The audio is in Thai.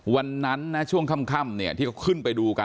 วันนั้นนะช่วงค่ำที่เขาขึ้นไปดูกัน